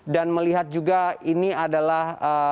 dan melihat juga ini adalah